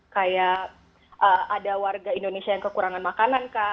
kayak ada warga indonesia yang kekurangan makanan kak